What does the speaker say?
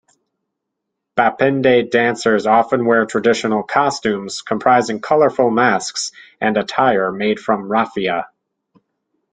Bapende dancers often wear traditional costumes comprising colorful masks and attire made from raffia.